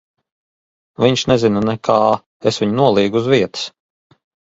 Viņš nezina nekā. Es viņu nolīgu uz vietas.